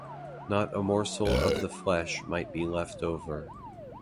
Not a morsel of the flesh might be left over.